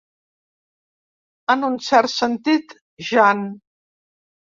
En un cert sentit, jan.